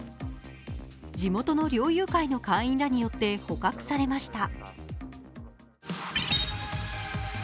地元の猟友会の会員らによって捕獲されました。